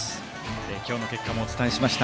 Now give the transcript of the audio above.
今日の結果お伝えしました。